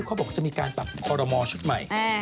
เขาบอกจะมีการปรับคอรมอลชุดใหม่